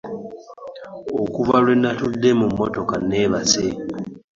Okuva lwe natudde mu mmotoka nneebase.